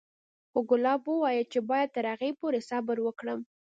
خو ګلاب وويل چې بايد تر هغې پورې صبر وکړم.